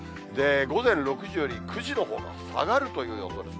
午前６時より９時のほうが下がるという予想です。